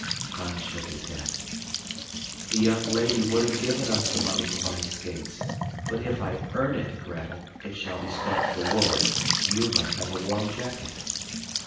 Hans shook his head. "The young lady would have given us the money to buy skates, but if I EARN it, Gretel, it shall be spent for wool. You must have a warm jacket."